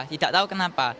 tidak tahu kenapa